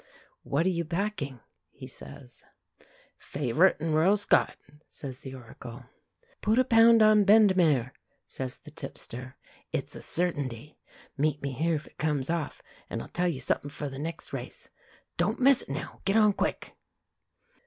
"What are you backing?" he says. "Favourite and Royal Scot," says the Oracle. "Put a pound on Bendemeer," says the tipster. "It's a certainty. Meet me here if it comes off, and I'll tell you something for the next race. Don't miss it now. Get on quick!"